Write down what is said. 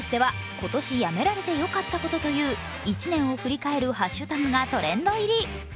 今年やめられてよかったことという１年を振り返るハッシュタグがトレンド入り。